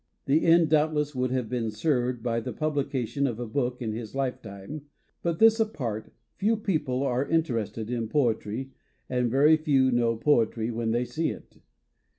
The end doubtless would have been served by the publication of a book in his lifetime but, this apart, few people are interested in poetry and very few know poetry when they see it.